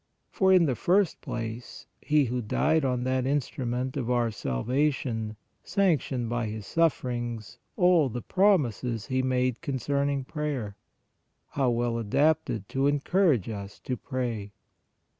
For, in the first place, He who died on that instrument of our salvation, sanctioned by His sufferings all the promises He made concerning prayer. How well adapted to encourage us to pray!